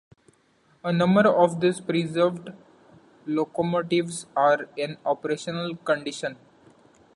A number of these preserved locomotives are in operational condition.